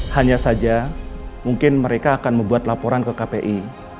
hanya saja mungkin mereka akan membuat laporan ke kpi